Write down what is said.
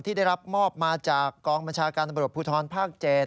ที่ได้รับมอบมาจากกองบัญชาการตำรวจภูทรภาค๗